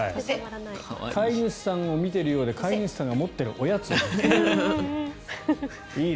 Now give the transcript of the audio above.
飼い主さんを見ているようで飼い主さんが持っているおやつを見ている。